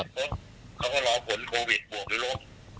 สับกดเขาก็รอคนโควิดผ่วงหรือล้ม